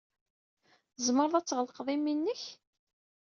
Tzemred ad tɣelqed imi-nnek?